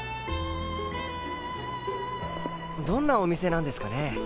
どんなお店なんですかね？